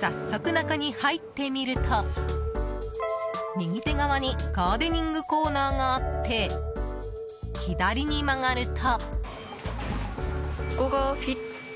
早速中に入ってみると、右手側にガーデニングコーナーがあって左に曲がると。